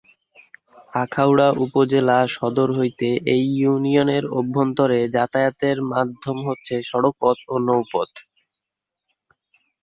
আখাউড়া উপজেলা সদর হইতে এই ইউনিয়নের অভ্যন্তরে যাতায়াতের মাধ্যম হচ্ছে- সড়কপথ ও নৌপথ।